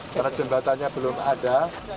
karena jembatannya belum ada